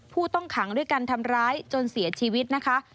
ผู้ต้องขังด้วยการทำร้ายจนเสียชีวิตนะคะ